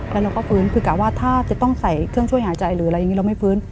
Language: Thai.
แล้วเราก็ฟื้นคือกะว่าถ้าจะต้องใส่เครื่องช่วยหายใจหรืออะไรอย่างนี้เราไม่ฟื้น